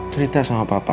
cerita sama papa